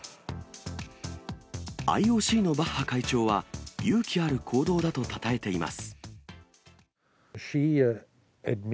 ＩＯＣのバッハ会長は、勇気ある行動だとたたえています。